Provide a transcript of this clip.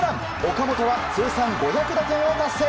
岡本は通算５００打点を達成。